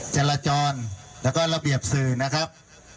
จราจรแล้วก็ระเบียบสื่อนะครับ